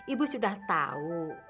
ibu sudah tahu